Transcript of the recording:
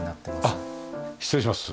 あっ失礼します。